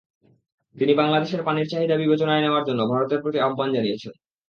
তিনি বাংলাদেশের পানির চাহিদা বিবেচনায় নেওয়ার জন্য ভারতের প্রতি আহ্বান জানিয়েছেন।